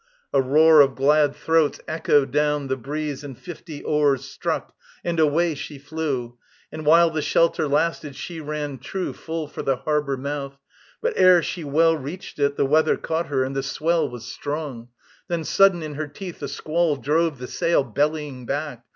A roar of glad throats echoed down the breeze And fifty oars struck, and away she flew. And while the shelter lasted, she ran true Full for the harbour mouth; but ere she well Reached it, the weather caught her, and the swell Was strong. Then sudden in her teeth a squall Drove the sail bellying back.